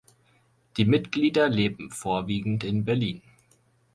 Die Mitglieder leben vorwiegend in Berlin.